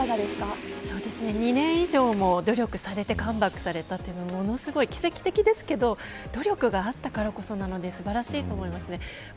２年以上も努力されてカムバックされたというのはものすごい奇跡的ですが努力があったからこそなので素晴らしいと思います。